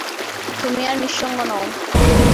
তুমি আর নিসঙ্গ নও।